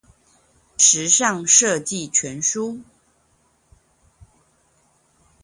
時尚設計全書